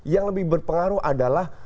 yang lebih berpengaruh adalah